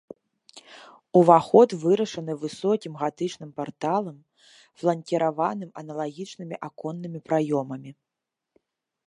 Уваход вырашаны высокім гатычным парталам, фланкіраваным аналагічнымі аконнымі праёмамі.